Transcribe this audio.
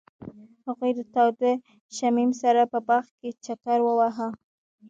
هغوی د تاوده شمیم سره په باغ کې چکر وواهه.